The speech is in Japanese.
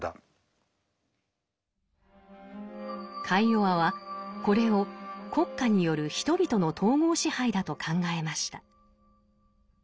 カイヨワはこれを国家による人々の統合支配だと考えました。